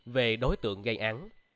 về đối tượng gây án